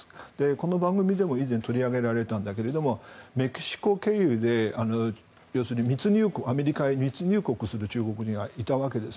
この番組でも以前取り上げたんだけどもメキシコ経由で要するに、アメリカへ密入国する中国人がいたんです。